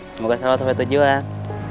semoga selamat sampai tujuan